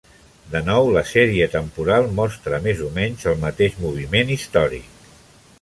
De nou, la sèrie temporal mostra més o menys el mateix moviment històric.